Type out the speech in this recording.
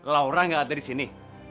laura nggak ada disini